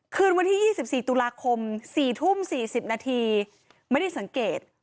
คืนวันที่๒๔ตุลาคม๔ทุ่ม๔๐นาทีไม่ได้สังเกต